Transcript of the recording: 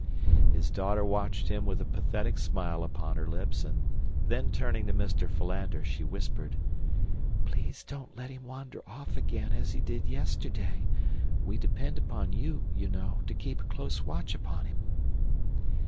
His daughter watched him with a pathetic smile upon her lips, and then turning to Mr. Philander, she whispered: "Please don't let him wander off again as he did yesterday. We depend upon you, you know, to keep a close watch upon him."